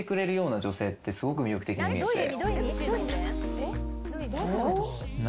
すごく魅力的に見えて。